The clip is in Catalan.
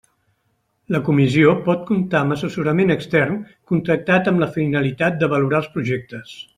La Comissió pot comptar amb assessorament extern contractat amb la finalitat de valorar els projectes.